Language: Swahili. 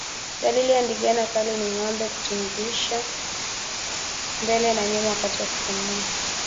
Dalili ya ndigana kali ni ngombe kutingishika mbele na nyuma wakati wa kupumua